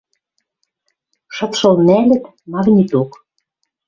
Шыпшыл нӓлӹт магниток.